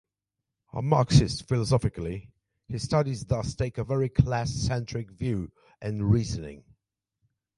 A Marxist philosophically, his studies thus take a very class-centric view and reasoning.